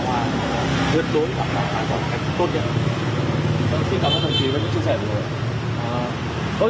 với những chia sẻ của tôi